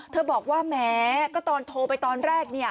บอกว่าแหมก็ตอนโทรไปตอนแรก